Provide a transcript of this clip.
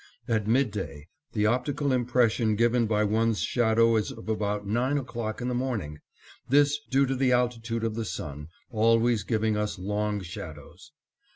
At midday, the optical impression given by one's shadow is of about nine o'clock in the morning, this due to the altitude of the sun, always giving us long shadows.